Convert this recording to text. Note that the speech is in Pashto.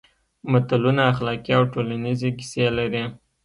متلونه اخلاقي او ټولنیزې کیسې لري